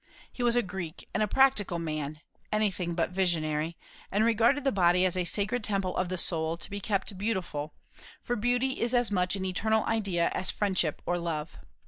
He was a Greek, and a practical man, anything but visionary, and regarded the body as a sacred temple of the soul, to be kept beautiful; for beauty is as much an eternal idea as friendship or love.